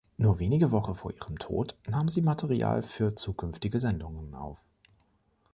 Nur wenige Wochen vor ihrem Tod nahm sie Material für zukünftige Sendungen auf.